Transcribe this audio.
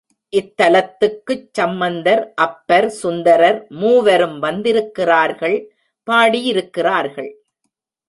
இத்தலத்துக்குச் சம்பந்தர், அப்பர், சுந்தரர் மூவரும் வந்திருக்கிறார்கள், பாடியிருக்கிறார்கள்.